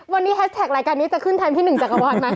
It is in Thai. วันนี้แฮสแท็กร์รายการนี้จะขึ้นทานที่หนึ่งจักรวานมั้ย